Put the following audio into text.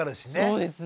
そうですね。